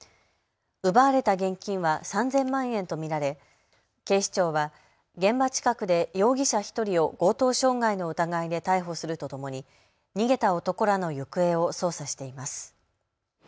奪われた現金は３０００万円と見られ警視庁は現場近くで容疑者１人を強盗傷害の疑いで逮捕するとともに逃げた男らの行方を捜査しています。